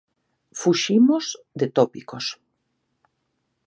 Fuximos de tópicos.